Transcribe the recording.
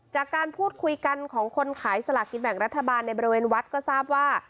จากการพูดคุยกันของคนขายสลากกินแบ่งรัฐบาลในบริเวณวัดก็ทราบว่า